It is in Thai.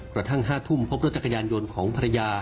กระทั่ง๕ทุ่มพบรถจักรยานยนต์ของภรรยา